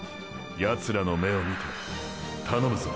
ヤツらの目を見て「頼むぞ」